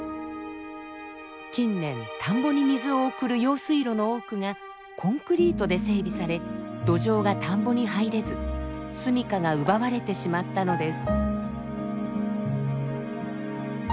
近年田んぼに水を送る用水路の多くがコンクリートで整備されドジョウが田んぼに入れずすみかが奪われてしまったのです。